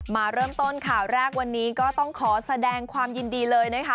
มาเริ่มต้นข่าวแรกวันนี้ก็ต้องขอแสดงความยินดีเลยนะคะ